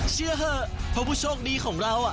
เชื่อเถอะเพราะผู้โชคดีของเรา